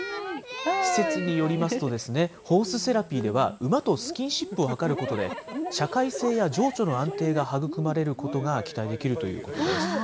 施設によりますと、ホースセラピーでは、馬とスキンシップを図ることで、社会性や情緒の安定が育まれることが期待できるということです。